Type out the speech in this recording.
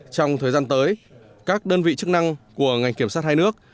trong thời gian tới các đơn vị chức năng của ngành kiểm sát hai nước